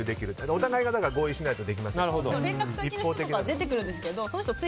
お互いが合意しないとできません。